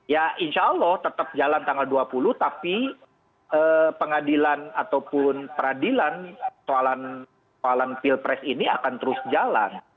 ya insya allah tetap jalan tanggal dua puluh tapi pengadilan ataupun peradilan soalan pilpres ini akan terus jalan